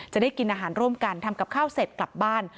จะได้กินอาหารร่วมกันทำกับข้าวเสร็จกลับบ้าน